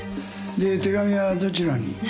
で手紙はどちらに？